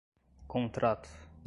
contrato